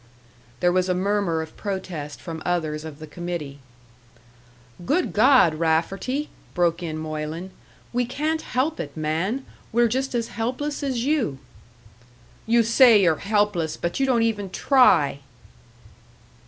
There was a murmur of protest from others of the committee. "Good God, Rafferty!" broke in Moylan. "We can't help it, man we're just as helpless as you!" "You say you're helpless but you don't even try!"